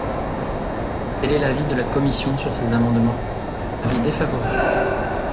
Quel est l’avis de la commission sur ces amendements ? Avis défavorable.